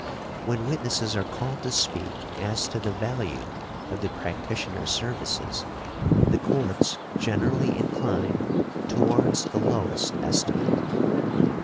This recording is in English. When witnesses are called to speak as to the value of the practitioner's services the Courts generally incline towards the lowest estimate .